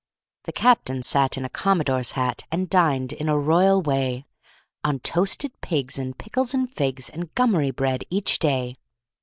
The captain sat in a commodore's hat And dined, in a royal way, On toasted pigs and pickles and figs And gummery bread, each day.